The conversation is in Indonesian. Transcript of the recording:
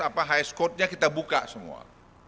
sekarang hs code nya kita buka semua